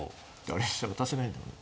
あれ飛車渡せないんだもんね。